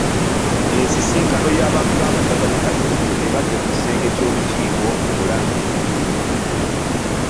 Ensisinkano y'abaami b'amasaza ne Katikkiro ebadde mu kisenge ky’Olukiiko mu Bulange e Mengo.